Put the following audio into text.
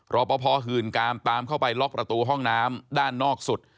รอปภหื่นกามตามเข้าไปล็อกประตูห้องน้ำด้านนอกสุด